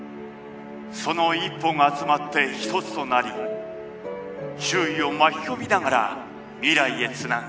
その一歩が集まって一つとなり周囲を巻き込みながら未来へ繋ぐ。